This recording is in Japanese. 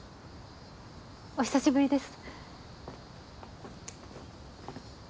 お久しぶりです。